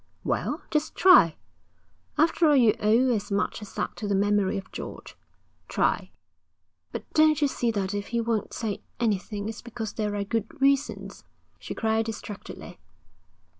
'Well, just try. After all you owe as much as that to the memory of George. Try.' 'But don't you see that if he won't say anything, it's because there are good reasons,' she cried distractedly.